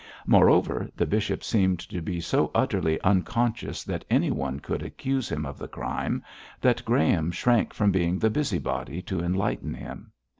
Moreover, the bishop seemed to be so utterly unconscious that anyone could accuse him of the crime, that Graham shrank from being the busybody to enlighten him.